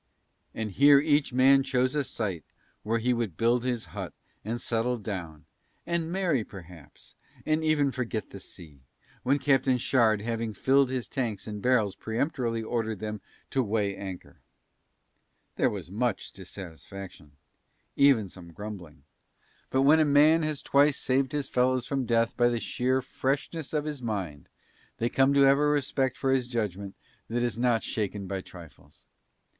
And here each man chose a site where he would build his hut, and settle down, and marry perhaps, and even forget the sea; when Captain Shard having filled his tanks and barrels peremptorily ordered them to weigh anchor. There was much dissatisfaction, even some grumbling, but when a man has twice saved his fellows from death by the sheer freshness of his mind they come to have a respect for his judgment that is not shaken by trifles.